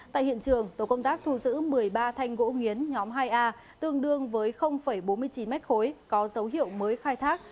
tại hiện trường tổ công tác thu giữ một mươi ba thanh gỗ nghiến nhóm hai a tương đương với bốn mươi chín mét khối có dấu hiệu mới khai thác